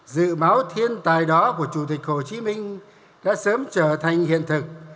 dự báo thiên tài đó của chủ tịch hồ chí minh đã sớm trở thành hiện thực